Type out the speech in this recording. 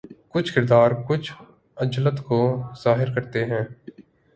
کچھ کردار کچھ عجلت کو ظاہر کرتے ہیں